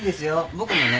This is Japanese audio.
僕もね